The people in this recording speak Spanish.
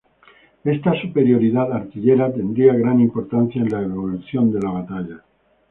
Esta superioridad artillera tendría gran importancia en la evolución de la batalla.